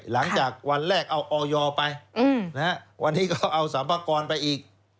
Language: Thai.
หลังจากวันแรกเอาอยไปวันนี้เขาเอาสัมภาคอนไปอีก